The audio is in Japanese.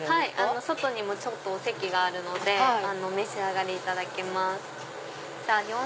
外にもお席があるのでお召し上がりいただけます。